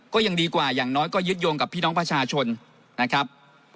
ก็ยังดีกว่าอย่างน้อยก็ยึดโยงกับพี่น้องประชาชนนะครับ